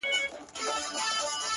لـه ژړا دي خداى را وساته جانـانـه ـ